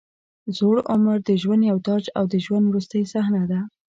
زوړ عمر د ژوند یو تاج او د ژوند وروستۍ صحنه ده.